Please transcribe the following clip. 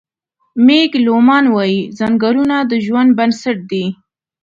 مېګ لومان وايي: "ځنګلونه د ژوند بنسټ دی.